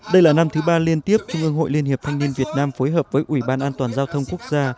đây là năm thứ ba liên tiếp trung ương hội liên hiệp thanh niên việt nam phối hợp với ủy ban an toàn giao thông quốc gia